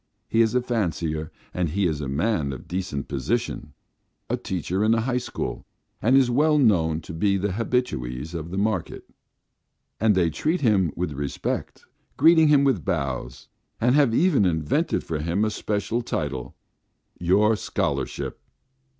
He is a fancier; he is a man of decent position, a teacher in a high school, and that is well known to the habitués of the market, and they treat him with respect, greet him with bows, and have even invented for him a special title: "Your Scholarship."